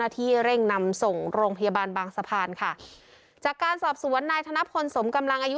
ที่เร่งนำส่งโรงพยาบาลบางสะพานค่ะจากการสอบสวนนายธนพลสมกำลังอายุ